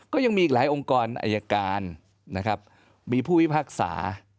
ก็ยังมีอีกหลายองค์กรอายการมีผู้วิพักษา